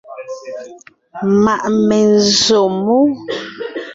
Ma’ menzsǒ mú.